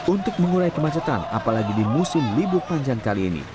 untuk mengurai kemacetan apalagi di musim libur panjang kali ini